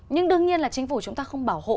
nhưng đương nhiên là chính phủ chúng ta không bảo hộ